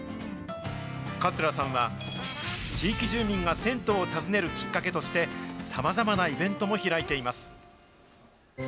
桂さんは、地域住民が銭湯を訪ねるきっかけとして、さまざまなイベントも開いています。